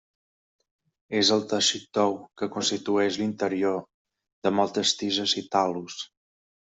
És el teixit tou que constitueix l'interior de moltes tiges i tal·lus.